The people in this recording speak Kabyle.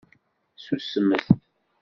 Ssusmet!